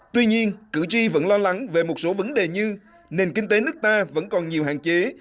tuy nhiên cử tri vẫn lo lắng về một số vấn đề như nền kinh tế nước ta vẫn còn nhiều hạn chế